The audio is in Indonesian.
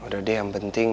udah deh yang penting